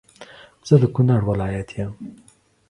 زه د کونړ ولایت یم